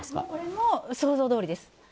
これも想像どおりです。